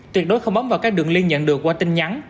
tuyệt đối không bấm vào các đường liên nhận được qua tin nhắn